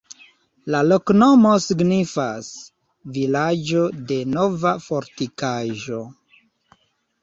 La loknomo signifas: vilaĝo de nova fortikaĵo.